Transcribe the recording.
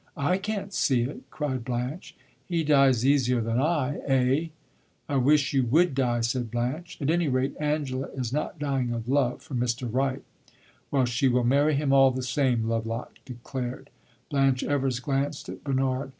"I can't see it!" cried Blanche. "He dies easier than I, eh?" "I wish you would die!" said Blanche. "At any rate, Angela is not dying of love for Mr. Wright." "Well, she will marry him all the same," Lovelock declared. Blanche Evers glanced at Bernard.